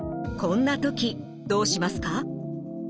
こんな時どうしますか？